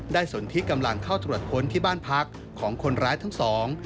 สนที่กำลังเข้าตรวจค้นที่บ้านพักของคนร้ายทั้งสอง